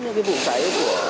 những cái vụ cháy